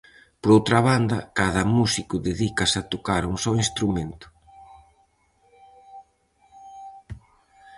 Por outra banda, cada músico dedícase a tocar un só instrumento.